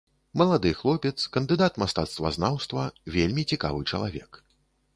Малады хлопец, кандыдат мастацтвазнаўства, вельмі цікавы чалавек.